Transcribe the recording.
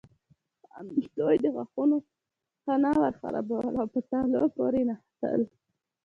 همدوی د غاښونو خانه ورخرابول او په تالو پورې نښتل.